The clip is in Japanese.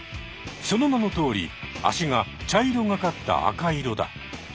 その名のとおり脚が茶色がかった赤色だ。